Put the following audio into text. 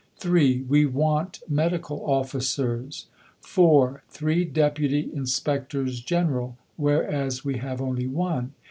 (3) We want Medical Officers. (4) Three Deputy Inspectors General (whereas we have only one)....